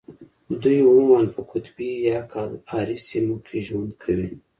دوی عموماً په قطبي یا کالاهاري سیمو کې ژوند کوي.